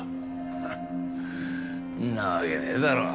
フッんなわけねえだろ。